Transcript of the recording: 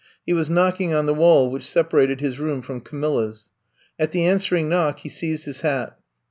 He was knock ing on the wall which separated his room from Camilla's. At the answering knock he seized his hat.